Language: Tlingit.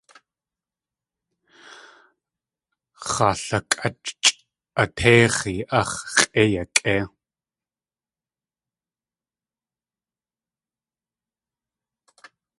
X̲alakʼáchʼ katéix̲i ax̲ x̲ʼé yakʼéi.